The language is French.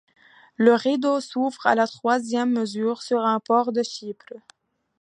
Le rideau s'ouvre à la troisième mesure sur un port de Chypre.